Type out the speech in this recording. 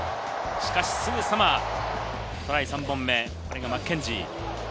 しかし、すぐさまトライ３本目、ダミアン・マッケンジー。